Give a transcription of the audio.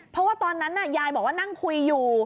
เพราะว่าตอนนั้นยายบอกว่านั่งคุยอยู่